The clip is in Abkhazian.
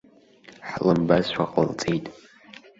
Ҳлымбазшәа ҟалҵеит.